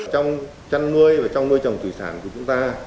trong chăn nuôi và trong nuôi trồng thủy sản của chúng ta